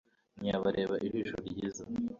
ntiyabareba ijisho ryiza